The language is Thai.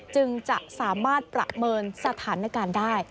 จึงจะสามารถประเมินสถานการณ์ได้